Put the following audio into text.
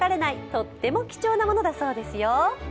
とっても貴重なものだそうですよ。